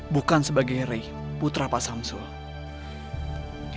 bukan sebagai rey putra pak samsul